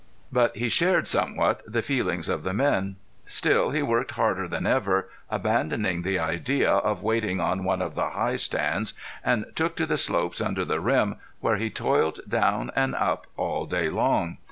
But he shared somewhat the feelings of the men. Still he worked harder than ever, abandoning the idea of waiting on one of the high stands, and took to the slopes under the rim where he toiled down and up all day long.